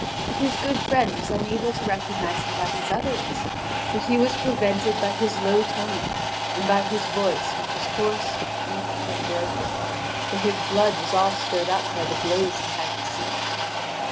But his good friend was unable to recognise him by his utterance; for he was prevented by his low tone and by his voice which was hoarse, weak, and broken; for his blood was all stirred up by the blows he had received.